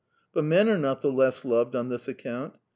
But men are not the less loved on this account.